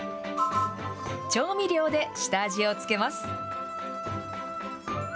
調味料で下味をつけます。